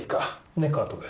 ねっ？監督。